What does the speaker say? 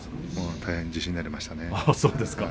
大変に自信になりましたね。